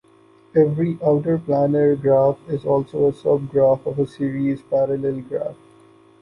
Every outerplanar graph is also a subgraph of a series-parallel graph.